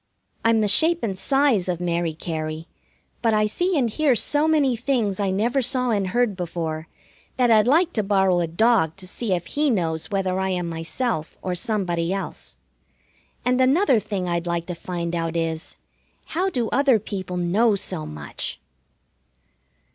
I'm the shape and size of Mary Cary, but I see and hear so many things I never saw and heard before that I'd like to borrow a dog to see if he knows whether I am myself or somebody else. And another thing I'd like to find out is, How do other people know so much?